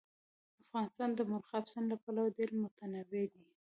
افغانستان د مورغاب سیند له پلوه ډېر متنوع دی.